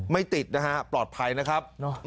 ไม่ติดนะฮะปลอดภัยนะครับ